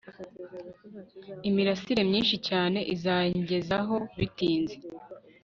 Imirasire myinshi cyane izangezaho bitinze